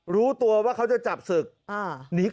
รู้ตัวว่าเขาจะจับศึก